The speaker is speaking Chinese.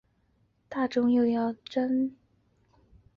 并且药材专利可能伤害大众用药权利。